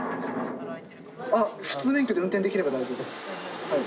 あ普通免許で運転できれば大丈夫。